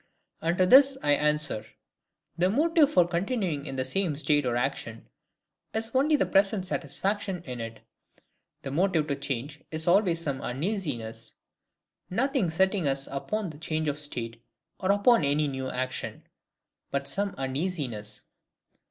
And to this I answer,—The motive for continuing in the same state or action, is only the present satisfaction in it; the motive to change is always some uneasiness: nothing setting us upon the change of state, or upon any new action, but some uneasiness.